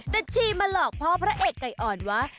แต่ชีมาหลอกพ่อพระเอกไก่อ่อนว่า